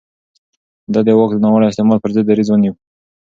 ده د واک د ناوړه استعمال پر ضد دريځ ونيو.